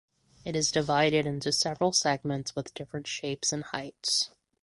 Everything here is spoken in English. It is divided into several segments with different shapes and heights.